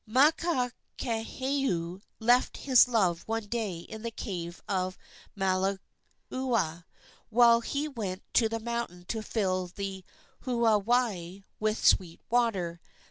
Makakehau left his love one day in the cave of Malauea, while he went to the mountain to fill the huawai with sweet water.